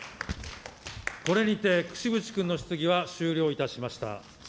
これにて櫛渕君の質疑は終了いたしました。